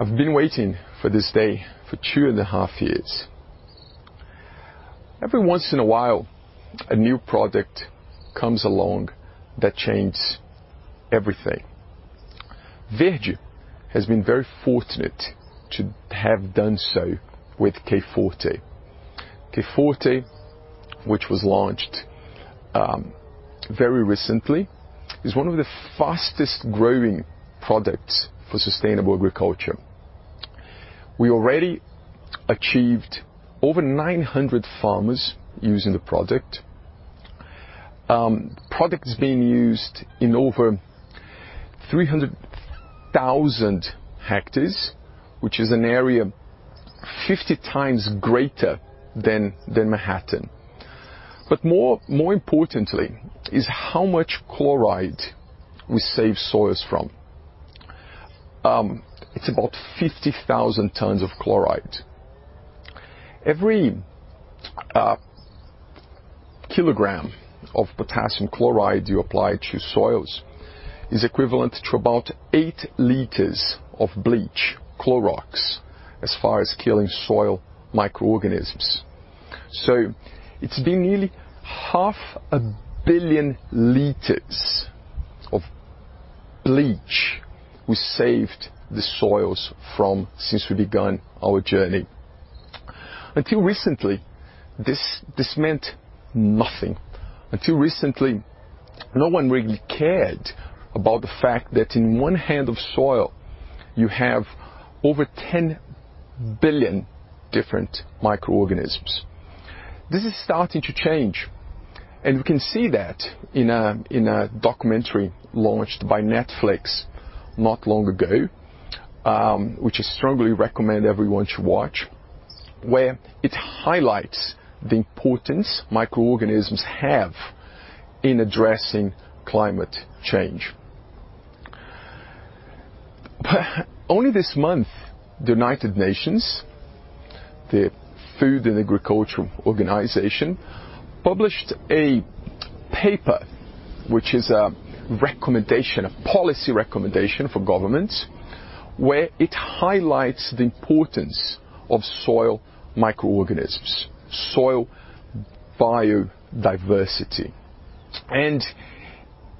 I've been waiting for this day for two and a half years. Every once in a while, a new product comes along that changes everything. Verde has been very fortunate to have done so with K Forte. K Forte, which was launched very recently, is one of the fastest-growing products for sustainable agriculture. We already achieved over 900 farmers using the product. The product is being used in over 300,000 hectares, which is an area 50x greater than Manhattan. More importantly is how much chloride we save soils from. It's about 50,000 tons of chloride. Every kg of potassium chloride you apply to soils is equivalent to about 8L of bleach, Clorox, as far as killing soil microorganisms. It's been nearly half a billion liters of bleach we saved the soils from since we began our journey. Until recently, this meant nothing. Until recently, no one really cared about the fact that in one handful of soil you have over 10 billion different microorganisms. This is starting to change, and we can see that in a documentary launched by Netflix not long ago, which I strongly recommend everyone should watch, where it highlights the importance microorganisms have in addressing climate change. Only this month, the United Nations, the Food and Agriculture Organization, published a paper which is a recommendation, a policy recommendation for governments, where it highlights the importance of soil microorganisms, soil biodiversity.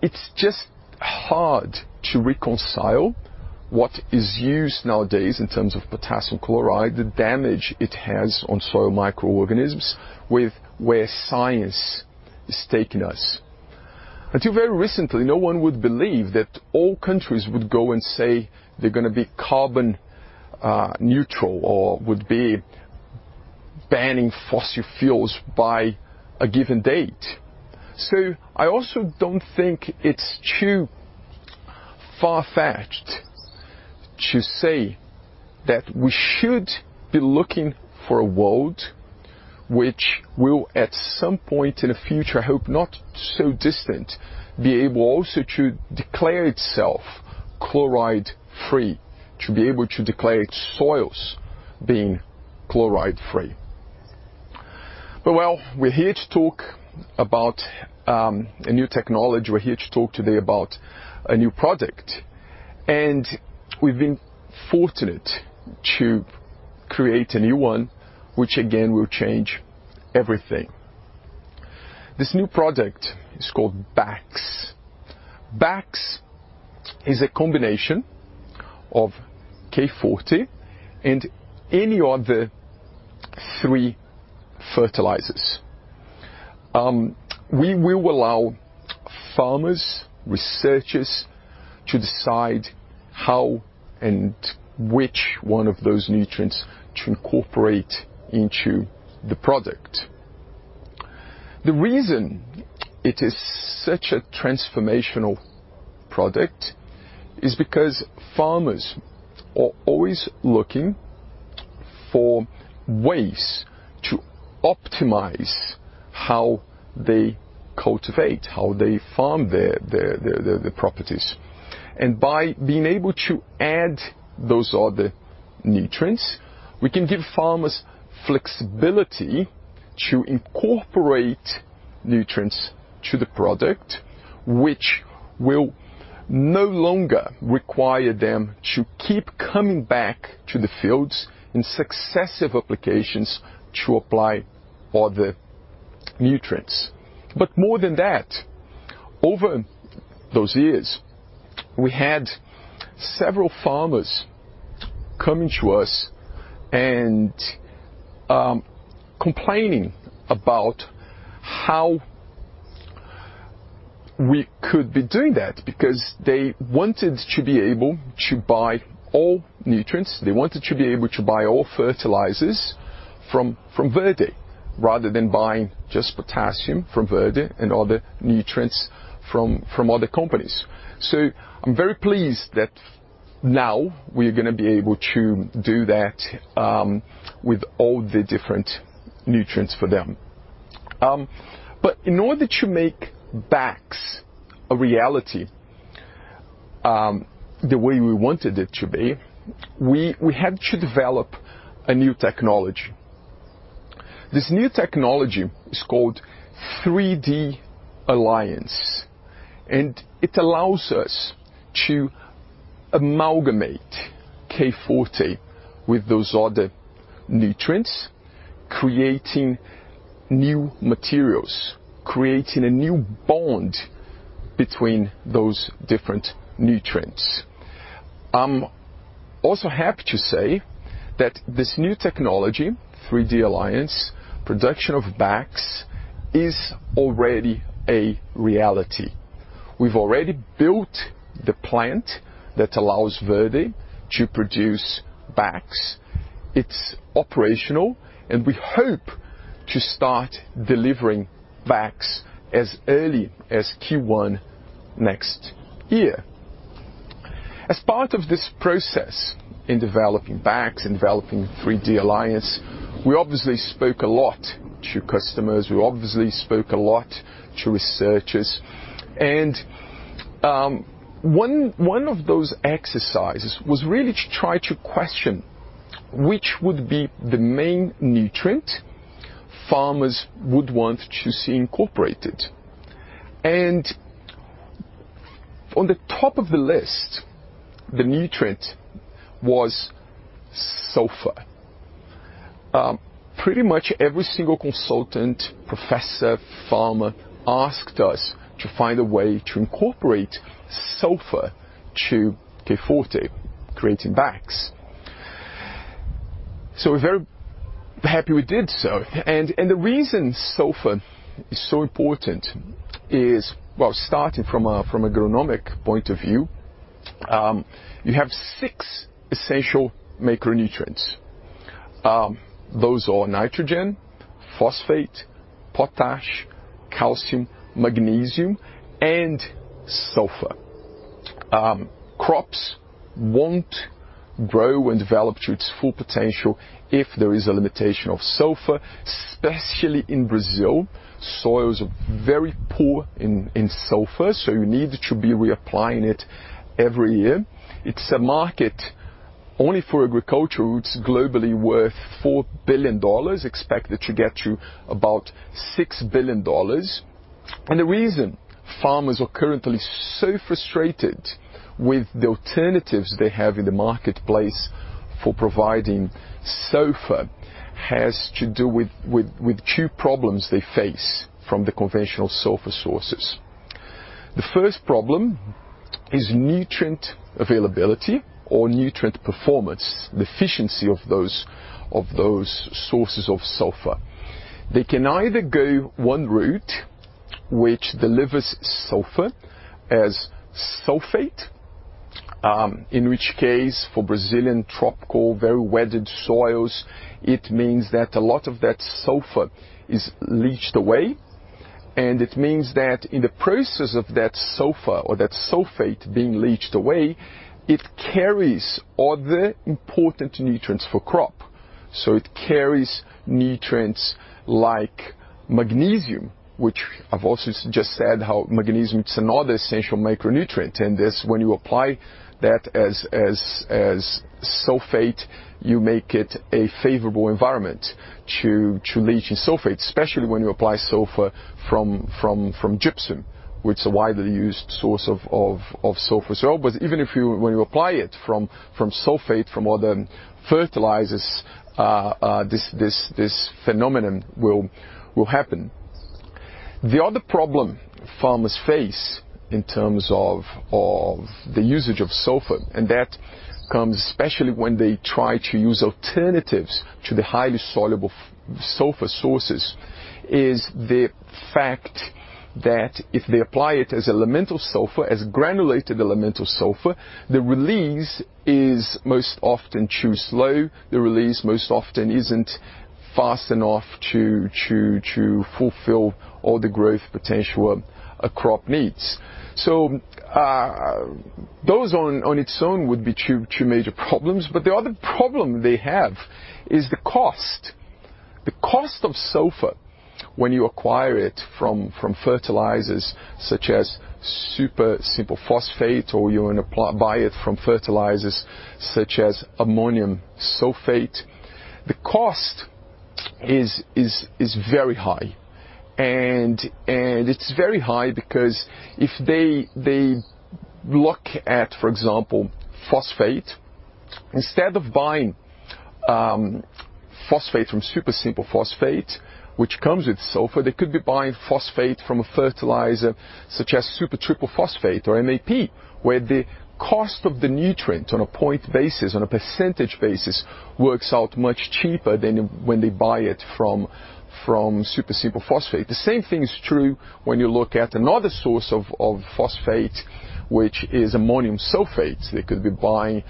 It's just hard to reconcile what is used nowadays in terms of potassium chloride, the damage it has on soil microorganisms, with where science is taking us. Until very recently, no one would believe that all countries would go and say they're gonna be carbon neutral or would be banning fossil fuels by a given date. I also don't think it's too far-fetched to say that we should be looking for a world which will, at some point in the future, I hope not so distant, be able also to declare itself chloride free, to be able to declare its soils being chloride free. Well, we're here to talk about a new technology. We're here to talk today about a new product, and we've been fortunate to create a new one, which again will change everything. This new product is called BAKS. BAKS is a combination of K Forte and any other three fertilizers. We will allow farmers, researchers to decide how and which one of those nutrients to incorporate into the product. The reason it is such a transformational product is because farmers are always looking for ways to optimize how they cultivate, how they farm their properties. By being able to add those other nutrients, we can give farmers flexibility to incorporate nutrients to the product, which will no longer require them to keep coming back to the fields in successive applications to apply other nutrients. More than that, over those years, we had several farmers coming to us and complaining about how we could be doing that because they wanted to be able to buy all nutrients. They wanted to be able to buy all fertilizers from Verde rather than buying just potassium from Verde and other nutrients from other companies. I'm very pleased that now we're gonna be able to do that with all the different nutrients for them. In order to make BAKS a reality, the way we wanted it to be, we had to develop a new technology. This new technology is called 3D Alliance, and it allows us to amalgamate K Forte with those other nutrients, creating new materials, creating a new bond between those different nutrients. I'm also happy to say that this new technology, 3D Alliance, production of BAKS is already a reality. We've already built the plant that allows Verde to produce BAKS. It's operational, and we hope to start delivering BAKS as early as Q1 next year. As part of this process in developing BAKS, in developing 3D Alliance, we obviously spoke a lot to customers, we obviously spoke a lot to researchers. One of those exercises was really to try to question which would be the main nutrient farmers would want to see incorporated. On the top of the list, the nutrient was sulfur. Pretty much every single consultant, professor, farmer asked us to find a way to incorporate sulfur to K Forte, creating BAKS. We're very happy we did so. The reason sulfur is so important is, starting from an agronomic point of view, you have six essential macronutrients. Those are nitrogen, phosphate, potash, calcium, magnesium, and sulfur. Crops won't grow and develop to its full potential if there is a limitation of sulfur, especially in Brazil. Soils are very poor in sulfur, so you need to be reapplying it every year. It's a market only for agriculture. It's globally worth $4 billion, expected to get to about $6 billion. The reason farmers are currently so frustrated with the alternatives they have in the marketplace for providing sulfur has to do with two problems they face from the conventional sulfur sources. The first problem is nutrient availability or nutrient performance, the efficiency of those sources of sulfur. They can either go one route, which delivers sulfur as sulfate, in which case for Brazilian tropical very weathered soils, it means that a lot of that sulfur is leached away. It means that in the process of that sulfur or that sulfate being leached away, it carries other important nutrients for crop. It carries nutrients like magnesium, which I've also just said how magnesium is another essential micronutrient. This, when you apply that as sulfate, you make it a favorable environment to leach in sulfate, especially when you apply sulfur from gypsum, which is a widely used source of sulfur. Even when you apply it from sulfate from other fertilizers, this phenomenon will happen. The other problem farmers face in terms of the usage of sulfur, and that comes especially when they try to use alternatives to the highly soluble sulfur sources, is the fact that if they apply it as elemental sulfur, as granulated elemental sulfur, the release is most often too slow. The release most often isn't fast enough to fulfill all the growth potential a crop needs. Those on its own would be two major problems. The other problem they have is the cost. The cost of sulfur when you acquire it from fertilizers such as single super phosphate, or buy it from fertilizers such as ammonium sulfate, the cost is very high. It's very high because if they look at, for example, phosphate, instead of buying phosphate from single super phosphate, which comes with sulfur, they could be buying phosphate from a fertilizer such as triple super phosphate or MAP, where the cost of the nutrient on a point basis, on a percentage basis, works out much cheaper than when they buy it from single super phosphate. The same thing is true when you look at another source of phosphate, which is ammonium sulfate. They could be buying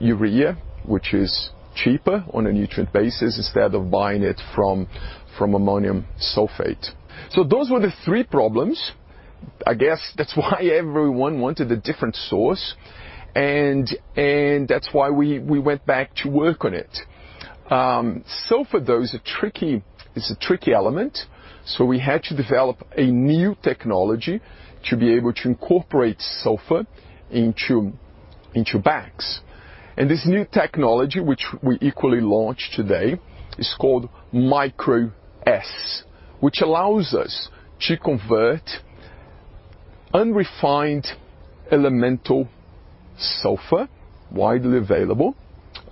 urea, which is cheaper on a nutrient basis, instead of buying it from ammonium sulfate. Those were the three problems. I guess that's why everyone wanted a different source, and that's why we went back to work on it. Sulfur though is a tricky element, so we had to develop a new technology to be able to incorporate sulfur into BAKS. This new technology, which we equally launched today, is called MicroS, which allows us to convert unrefined elemental sulfur, widely available,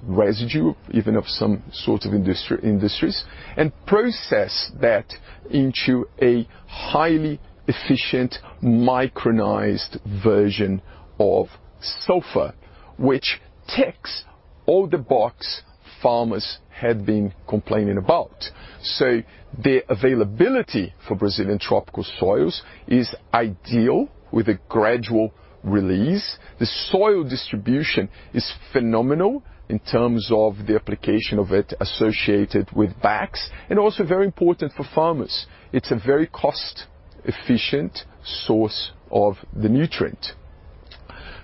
residue even of some sort of industries, and process that into a highly efficient micronized version of sulfur, which ticks all the boxes farmers had been complaining about. The availability for Brazilian tropical soils is ideal, with a gradual release. The soil distribution is phenomenal in terms of the application of it associated with BAKS, and also very important for farmers. It's a very cost-efficient source of the nutrient.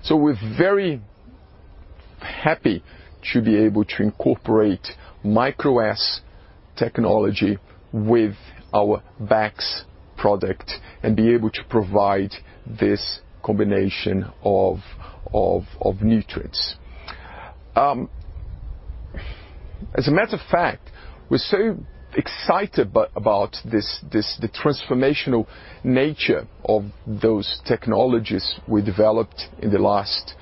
We're very happy to be able to incorporate MicroS Technology with our BAKS product and be able to provide this combination of nutrients. As a matter of fact, we're so excited about this, the transformational nature of those technologies we developed in the last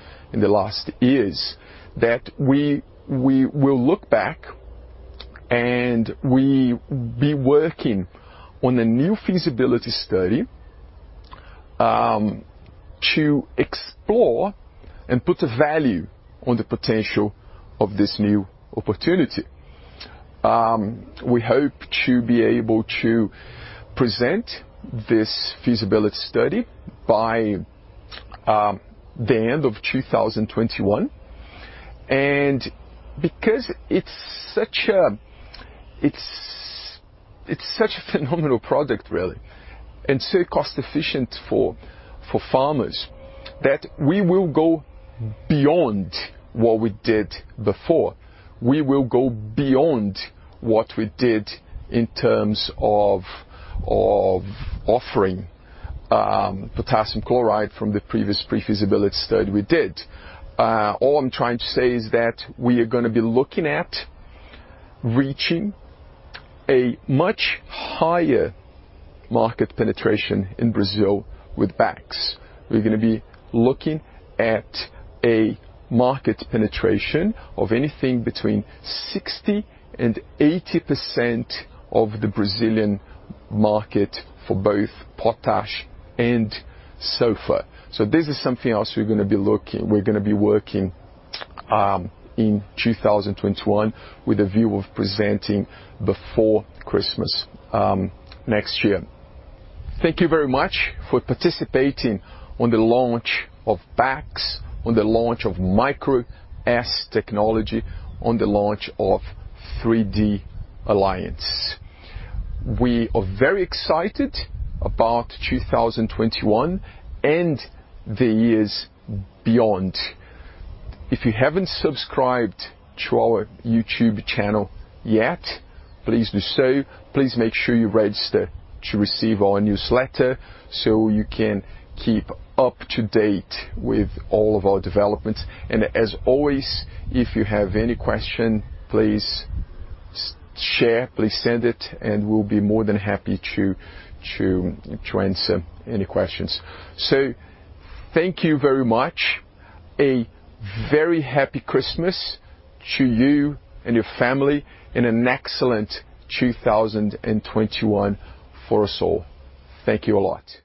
years that we will look back and we will be working on a new feasibility study to explore and put a value on the potential of this new opportunity. We hope to be able to present this feasibility study by the end of 2021. Because it's such a phenomenal product really, and so cost-efficient for farmers, that we will go beyond what we did before. We will go beyond what we did in terms of offering potassium chloride from the previous pre-feasibility study we did. All I'm trying to say is that we are gonna be looking at reaching a much higher market penetration in Brazil with BAKS. We're gonna be looking at a market penetration of anything between 60%-80% of the Brazilian market for both potash and sulfur. This is something else we're gonna be working in 2021 with a view of presenting before Christmas next year. Thank you very much for participating on the launch of BAKS, on the launch of MicroS Technology, on the launch of 3D Alliance. We are very excited about 2021 and the years beyond. If you haven't subscribed to our YouTube channel yet, please do so. Please make sure you register to receive our newsletter, so you can keep up to date with all of our developments. As always, if you have any question, please share, please send it, and we'll be more than happy to answer any questions. Thank you very much. A very happy Christmas to you and your family, and an excellent 2021 for us all. Thank you a lot.